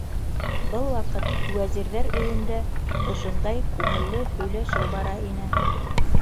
Был ваҡыт Вәзирҙәр өйөндә ошондай күңелле һөйләшеү бара ине: